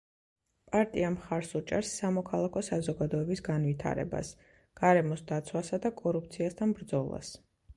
პარტია მხარს უჭერს სამოქალაქო საზოგადოების განვითარებას, გარემოს დაცვასა და კორუფციასთან ბრძოლას.